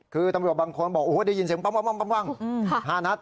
คือตำรวจบางคนบอกโอ้โหได้ยินเสียงปั้ง๕นัด